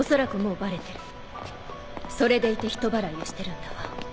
それでいて人払いをしてるんだわ。